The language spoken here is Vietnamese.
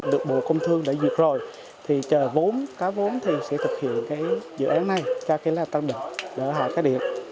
được bộ công thương đã dịch rồi thì chờ vốn cá vốn thì sẽ thực hiện cái dự án này cho cái là tân định để họ có điện